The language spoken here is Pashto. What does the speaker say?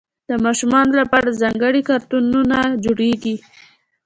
د ماشومانو لپاره ځانګړي کارتونونه جوړېږي.